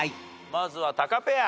まずはタカペア。